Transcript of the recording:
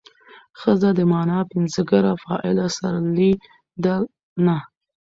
ښځه د مانا پنځګره فاعله سرلې ده نه